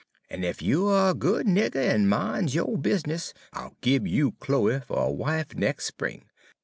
En ef you er a good nigger en min's yo' bizness, I'll gib you Chloe fer a wife nex' spring.